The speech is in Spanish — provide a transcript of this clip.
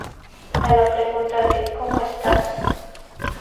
A la pregunta de "¿cómo estás?